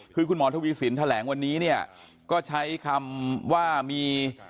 คือหมทวีศีลแถลงวันนีเนี่ยก็ใช้คำว่ามี